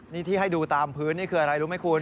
นี่ที่ให้ดูตามพื้นนี่คืออะไรรู้ไหมคุณ